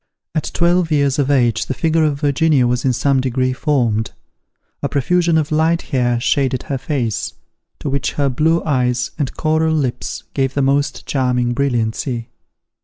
At twelve years of age the figure of Virginia was in some degree formed: a profusion of light hair shaded her face, to which her blue eyes and coral lips gave the most charming brilliancy.